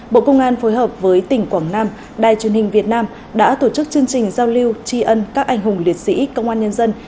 bộ công an phối hợp với tỉnh quảng nam đài truyền hình việt nam đã tổ chức chương trình giao lưu tri ân các anh hùng liệt sĩ công an nhân dân